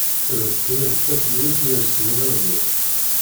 Ad as-tiniḍ d tafelwit i yersem unaẓur.